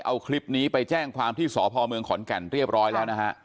เอาคลิปนี้ไปแจ้งความที่สพเมืองขอนแก่นเรียบร้อยแล้วนะฮะ